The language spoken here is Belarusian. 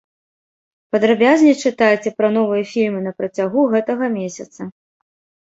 Падрабязней чытайце пра новыя фільмы на працягу гэтага месяца.